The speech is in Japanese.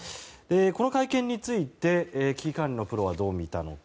この会見について危機管理のプロはどう見たのか。